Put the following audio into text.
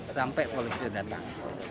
sampai polisi datang